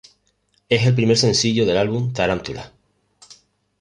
Es el primer sencillo del álbum "Tarántula".